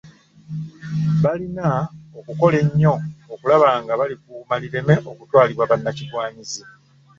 Balina okukola ennyo okulaba nga balikuuma lireme kutwalibwa bannakigwanyizi.